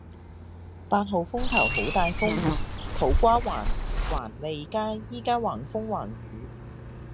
八號風球好大風，土瓜灣環利街依家橫風橫雨